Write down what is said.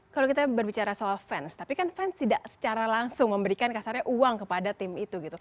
kalau kita berbicara soal fans tapi kan fans tidak secara langsung memberikan kasarnya uang kepada tim itu gitu